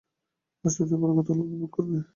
আর সবচেয়ে বড় কথা, উপভোগ করবে।